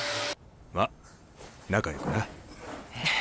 まっ仲よくな。